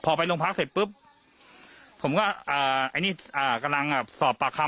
พอไปลงพักเสร็จปุ๊บผมก็อ่าไอ้นี่กำลังสอบปากค็าม